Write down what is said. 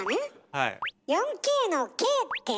はい。